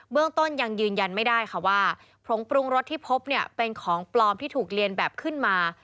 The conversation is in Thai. เรื่องต้นยังยืนยันไม่ได้ค่ะว่าผงปรุงรสที่พบเนี่ยเป็นของปลอมที่ถูกเรียนแบบขึ้นมา